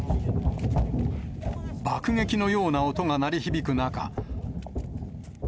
爆撃のような音が鳴り響く中。